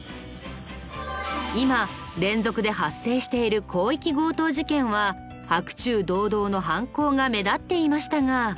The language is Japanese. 今連続で発生している広域強盗事件は白昼堂々の犯行が目立っていましたが。